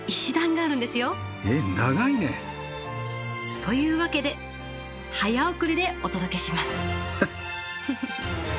えっ長いね。というわけで早送りでお届けします。